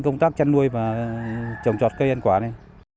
công tác chăn nuôi và trồng trọt cây ăn quả này